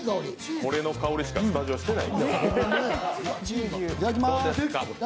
これの香りしかスタジオ、してない。